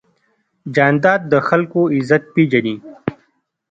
جانداد د خلکو عزت پېژني.